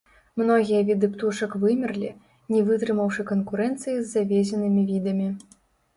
Многія віды птушак вымерлі, не вытрымаўшы канкурэнцыі з завезенымі відамі.